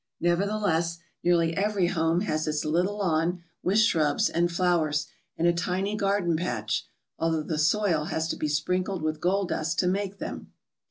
Nevertheless, nearly every home has its little lawn with shrubs and flowers and a tiny garden patch, although the soil has to be sprinkled with gold dust to make them.